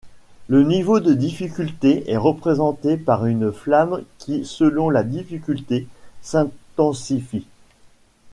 Le niveau de difficulté est représenté par une flamme qui selon la difficulté s'intensifie.